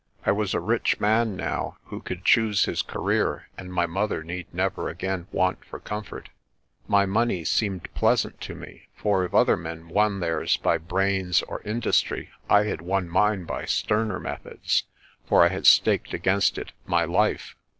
I was a rich man now who could choose his career, and my mother need never again want for comfort. My money seemed pleasant to me, for if other men won theirs by brains or industry, I had won mine by sterner methods, for I had staked against it my life.